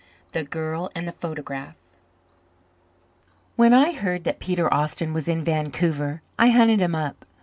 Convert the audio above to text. The Girl and the Photograph When I heard that Peter Austin was in Vancouver I hunted him up.